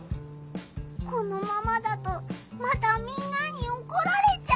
このままだとまたみんなにおこられちゃうよ！